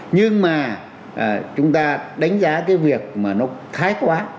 nhưng mà chúng ta đánh giá cái việc mà nó thái quá